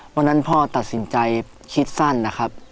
วันนั้นพ่อตัดสินใจคิดสั้นนะครับ